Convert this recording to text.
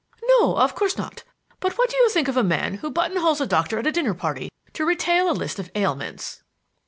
"No, of course not. But what do you think of a man who button holes a doctor at a dinner party to retail a list of ailments?"